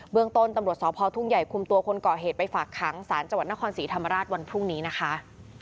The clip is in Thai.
เมืองต้นตำรวจสพทุ่งใหญ่คุมตัวคนก่อเหตุไปฝากขังสารจังหวัดนครศรีธรรมราชวันพรุ่งนี้นะคะ